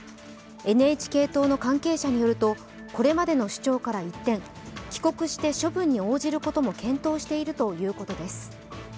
ＮＨＫ党の関係者によるとこれまでの主張から一転、帰国して処分に応じることも検討しているということです。